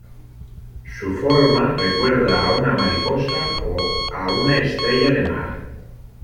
Su forma recuerda a una mariposa o a una estrella de mar.